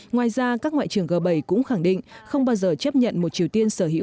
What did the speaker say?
ngoài ra các ngoại trưởng g bảy cũng khẳng định không bao giờ chấp nhận một triều tiên sở hữu